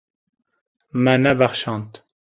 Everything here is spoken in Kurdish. Me nebexşand.